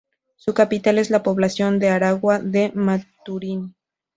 Su capital es la población de Aragua de Maturín.